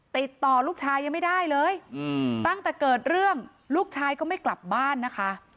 ติดต่อลูกชายยังไม่ได้เลยตั้งแต่เกิดเรื่องลูกชายก็ไม่กลับบ้านนะคะ